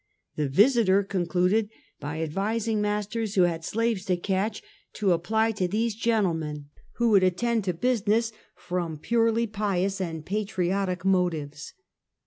The Visiter conchided by advis ing masters "n^ho had slaves to catch, to apply to these gentlemen, who would attend to business from purely pious and patriotic motives.